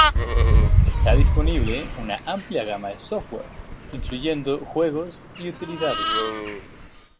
Está disponible una amplia gama de software, incluyendo juegos y utilidades.